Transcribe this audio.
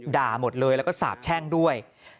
ด่าหมดเลยแล้วก็สาบแช่งด้วย